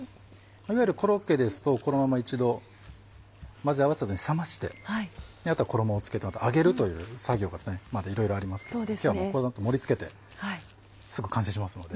いわゆるコロッケですとこのまま一度混ぜ合わせた後に冷ましてあとは衣を付けて揚げるという作業がまだいろいろありますけど今日はこの後盛り付けてすぐ完成しますので。